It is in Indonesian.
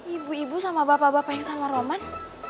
ibu ibu sama bapak bapak yang sama roman